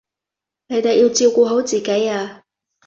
你哋要照顧好自己啊